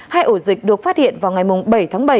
hai ổ dịch được phát hiện vào ngày bảy tháng bảy